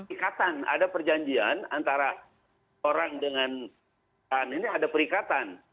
ikatan ada perjanjian antara orang dengan ini ada perikatan